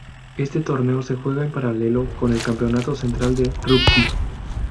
Este torneo se juega en paralelo con el Campeonato Central de Rugby.